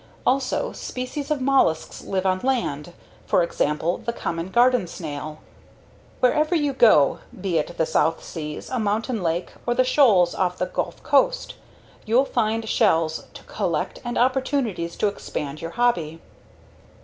Also, species of mollusks live on land for example the common garden snail. Wherever you go, be it the South Seas, a mountain lake, or the shoals off the Gulf Coast, you'll find shells to collect and opportunities to expand your hobby.